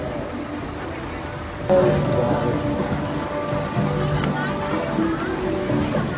พี่พ่ออิปกราคา